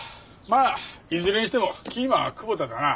まあいずれにしてもキーマンは久保田だな。